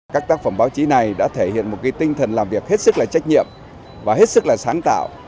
các tác phẩm báo chí này đã thể hiện một tinh thần làm việc hết sức là trách nhiệm và hết sức là sáng tạo